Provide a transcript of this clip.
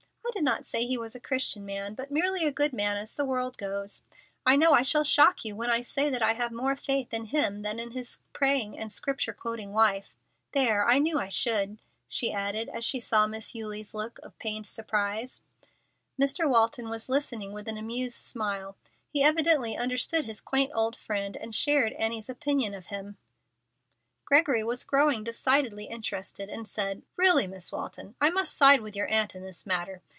"I did not say he was a Christian man, but merely a good man as the world goes; and I know I shall shock you when I say that I have more faith in him than in his praying and Scripture quoting wife. There, I knew I should," she added, as she saw Miss Eulie's look of pained surprise. Mr. Walton was listening with an amused smile. He evidently understood his quaint old friend and shared Annie's opinion of him. Gregory was growing decidedly interested, and said, "Really, Miss Walton, I must side with your aunt in this matter.